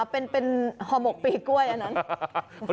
เป็นห่อหมกปีกล้วยอันนั้น